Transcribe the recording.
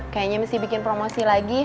kayaknya mesti bikin promosi lagi